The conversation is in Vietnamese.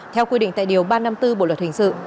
theo quy định tại điều ba trăm năm mươi bốn bộ luật hình sự